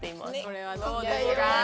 これはどうですか？